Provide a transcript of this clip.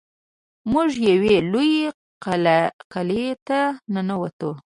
موږ یوې لویې قلعې ته ننوتو.